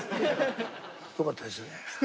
よかったですね。